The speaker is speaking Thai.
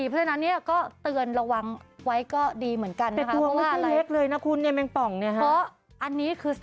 เอ้ยเอ่อแะปเลยอือ